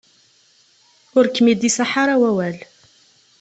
Ur kem-id-iṣaḥ ara wawal.